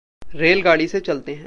रेलगाड़ी से चलते हैं।